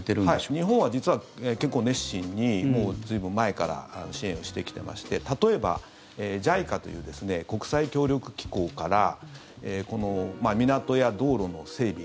日本は実は結構熱心に随分前から支援をしてきてまして例えば、ＪＩＣＡという国際協力機構から港や道路の整備